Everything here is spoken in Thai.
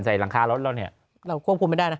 ใส่หลังคารถเราเนี่ย